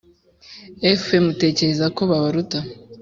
Fp mutekereze ko babaruta